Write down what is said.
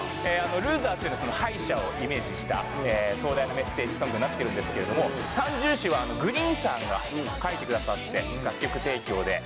『ＬＯＳＥＲ』っていうのは敗者をイメージした壮大なメッセージソングになってるんですけれども『三銃士』はＧＲｅｅｅｅＮさんが書いてくださって楽曲提供で。